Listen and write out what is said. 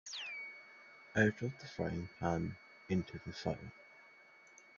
Out of the frying-pan into the fire.